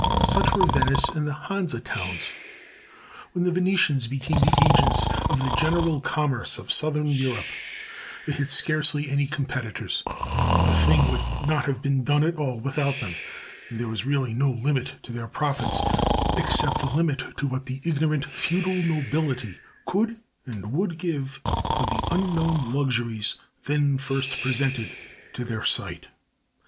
Such were Venice and the Hanse Towns. When the Venetians became the agents of the general commerce of Southern Europe, they had scarcely any competitors: the thing would not have been done at all without them, and there was really no limit to their profits except the limit to what the ignorant feudal nobility could and would give for the unknown luxuries then first presented to their sight.